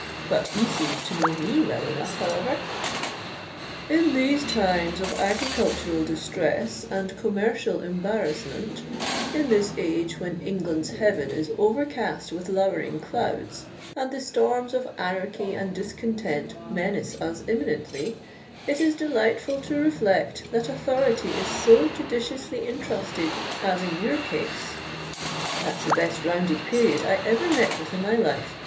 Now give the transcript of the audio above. But he seems to know me well enough, however. '_In these times of agricultural distress and commercial embarrassment—in this age when England's heaven is overcast with lowering clouds, and the storms of anarchy and discontent menace us imminently—it is delightful to reflect that authority is so judiciously entrusted as in your case._' That's the best rounded period I ever met with in my life.